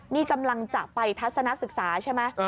นี่กำลังจะไปทัศนศึกษาใช่ไหม